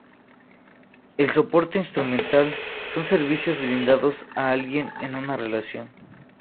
El soporte instrumental son servicios brindados a alguien en una relación.